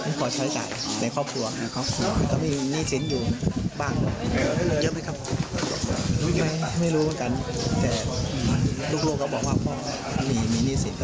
ไม่ได้อะไรหรอกวันนี้น่าจะเป็นครั้งชื่อสรรค์